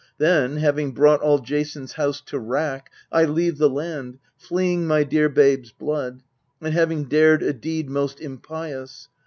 Then, having brought all Jason's house to wrack, I leave the land, fleeing my dear babes' blood, And having dared a deed most impious.